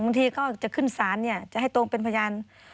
ที่เขาจะขึ้นศาลจะให้ตรงเป็นพยาน